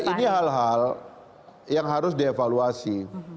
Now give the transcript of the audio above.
ini hal hal yang harus dievaluasi